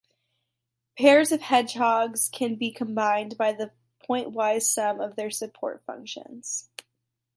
Pairs of hedgehogs can be combined by the pointwise sum of their support functions.